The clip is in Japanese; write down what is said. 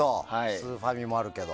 スーファミもあるけど。